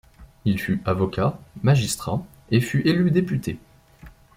Il fut avocat, magistrat et fut élu député.